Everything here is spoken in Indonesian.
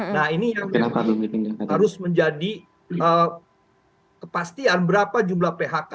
nah ini yang harus menjadi kepastian berapa jumlah phk